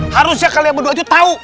harusnya kalian berdua itu tahu